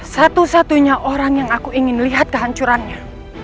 satu satunya orang yang aku ingin lihat kehancurannya